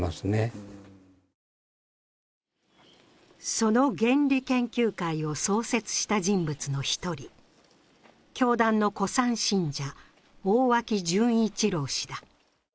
その原理研究会を創設した人物の１人、教団の古参信者・大脇準一郎氏だ。